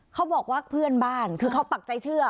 เขาบอกว่าเพื่อนบ้านคือเขาปักใจเชื่อ